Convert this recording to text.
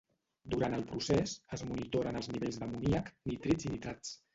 Durant el procés, es monitoren els nivells d'amoníac, nitrits i nitrats.